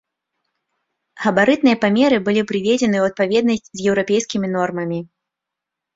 Габарытныя памеры былі прыведзены ў адпаведнасць з еўрапейскімі нормамі.